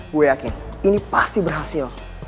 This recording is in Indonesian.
gue yakin ini pasti berhasil